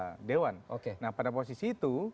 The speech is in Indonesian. anggota dewan nah pada posisi itu